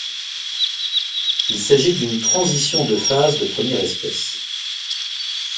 Il s'agit d'une transition de phase de première espèce.